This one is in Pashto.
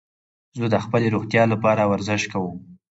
زه د خپلي روغتیا له پاره ورزش کوم.